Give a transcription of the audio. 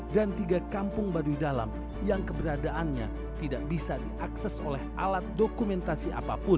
dan tiga kampung baduy dalam yang keberadaannya tidak bisa diakses oleh alat dokumentasi apapun